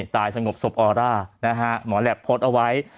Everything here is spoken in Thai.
ตายสงบศพออร่านะฮะหมอแหลปโพสต์เอาไว้